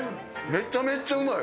めちゃめちゃうまい。